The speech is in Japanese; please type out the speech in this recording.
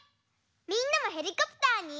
みんなもヘリコプターに。